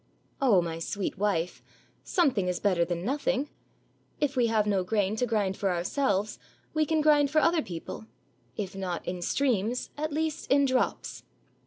" "Oh, my sweet wife, something is better than nothing; if we have no grain to grind for ourselves, we can grind for other people, if not in streams, at least in drops."